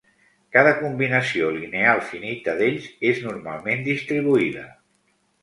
Cada combinació lineal finita d'ells és normalment distribuïda.